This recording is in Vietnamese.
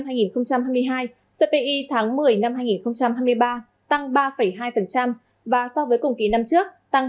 cpi tháng một mươi năm hai nghìn hai mươi hai cpi tháng một mươi năm hai nghìn hai mươi ba tăng ba hai và so với cùng ký năm trước tăng ba năm mươi chín